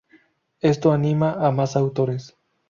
Esto anima a más autores.